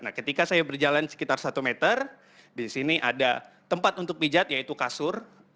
nah ketika saya berjalan sekitar satu meter di sini ada tempat untuk pijat yaitu kasur